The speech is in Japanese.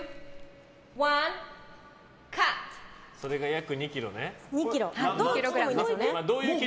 それが約２ｋｇだからね。